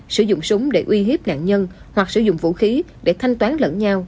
sử dụng súng để uy hiếp nạn nhân hoặc sử dụng vũ khí để thanh toán lẫn nhau